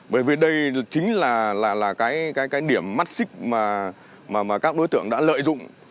bởi vì đây chính là cái điểm mắt xích mà các đối tượng đã lợi dụng